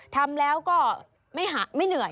ทำแล้วก็ไม่เหนื่อย